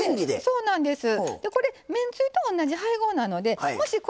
そうなんですよ。